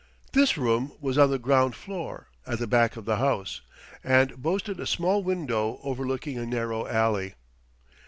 This room was on the ground floor, at the back of the house, and boasted a small window overlooking a narrow alley.